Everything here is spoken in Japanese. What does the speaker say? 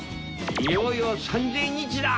いよいよ３０００日だ！